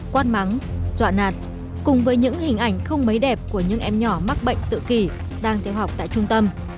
quát mắng dọa nạt cùng với những hình ảnh không mấy đẹp của những em nhỏ mắc bệnh tự kỷ đang theo học tại trung tâm